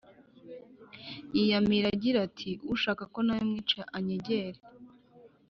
yiyamira ati: “Ushaka ko na we mwica anyegere